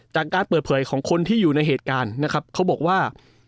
จากการเปิดเผยของคนที่อยู่ในเหตุการณ์นะครับเขาบอกว่า